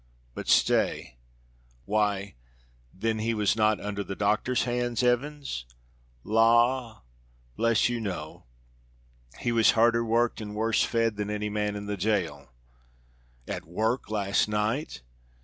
But stay. Why then he was not under the doctor's hands, Evans?" "La! bless you, no. He was harder worked and worse fed than any man in the jail." "At work last night!